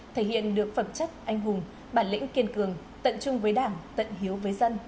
thể hiện được phẩm chất anh hùng bản lĩnh kiên cường tận trung với đảng tận hiếu với dân